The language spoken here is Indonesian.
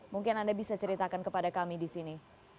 mungkin anda bisa ceritakan kepada kami di sini